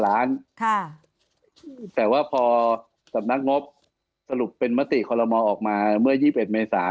แต่ว่าพอสำนักงบสรุปเป็นมติคอลโมออกมาเมื่อ๒๑เมษา